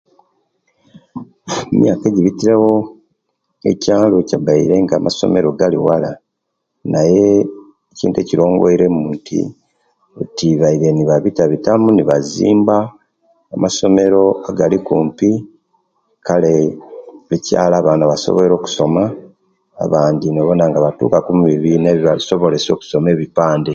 Emyaka ejibitirewo ekiyalo kiyabaire nga amasomero nga gali wala naye ekintu ekirongoiremu nti nti bairire nebabitabitamu nibazimba amasomero agali kumpi kale mukyaalo abaana basobwoire okusoma abandi nibawona nga batuuka ku mubibiina ebibasobolesiya okusoma ebipande.